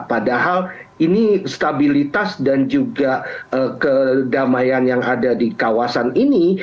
padahal ini stabilitas dan juga kedamaian yang ada di kawasan ini